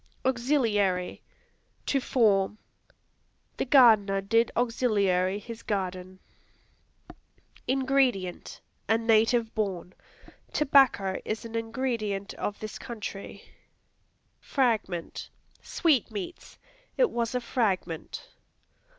Auxiliary To form; "The gardener did auxiliary his garden." Ingredient A native born; "Tobacco is an ingredient of this country." Fragment Sweetmeats; "It was a fragment."